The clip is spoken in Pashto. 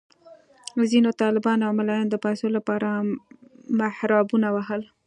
ځینو طالبانو او ملایانو د پیسو لپاره محرابونه وهل.